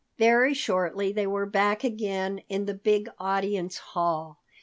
Very shortly they were back again in the big audience hall.